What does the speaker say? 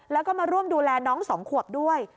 แล้วก็มาร่วมดูแลน้อง๒ขวบด้วย